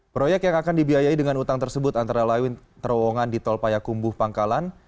proyek yang akan dibiayai dengan utang tersebut antara layu terowongan di tolpayakumbuh pangkalan